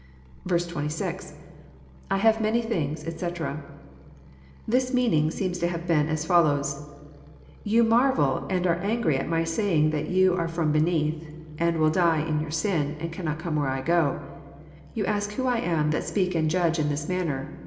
26. — II have many things, etc.'] This verse again Is very elliptical. This meaning seems to be as follows: "You marvel and are angry at My saying that you are fl'om beneath, and will die in your sin, and cannot come where I go. You ask who I am that speak and Judge in this manner.